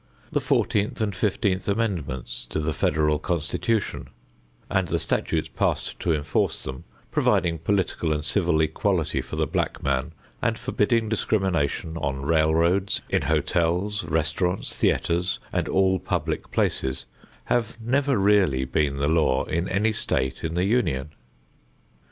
The Fourteenth and Fifteenth Amendments to the Federal Constitution, and the statutes passed to enforce them, providing political and civil equality for the black man, and forbidding discrimination on railroads, in hotels, restaurants, theatres and all public places, have never really been the law in any state in the Union.